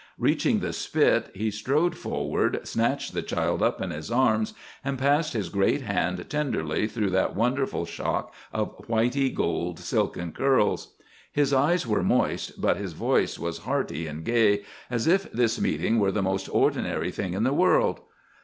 Reaching the spit he strode forward, snatched the child up in his arms, and passed his great hand tenderly through that wonderful shock of whitey gold silken curls. His eyes were moist, but his voice was hearty and gay, as if this meeting were the most ordinary thing in the world.